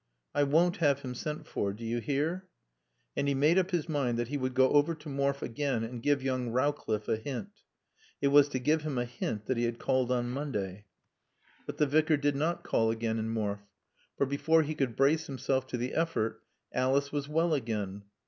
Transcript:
"I won't have him sent for do you hear?" And he made up his mind that he would go over to Morfe again and give young Rowcliffe a hint. It was to give him a hint that he had called on Monday. But the Vicar did not call again in Morfe. For before he could brace himself to the effort Alice was well again.